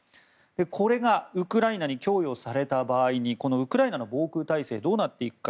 これがウクライナに供与された場合にこのウクライナの防空体制どうなっていくか。